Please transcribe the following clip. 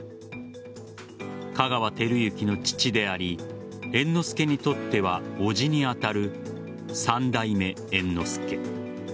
香川照之の父であり猿之助にとっては伯父に当たる三代目猿之助。